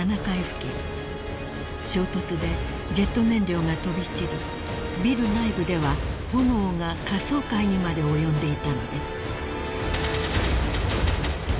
［衝突でジェット燃料が飛び散りビル内部では炎が下層階にまで及んでいたのです］